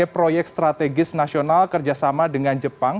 proyek strategis nasional kerjasama dengan jepang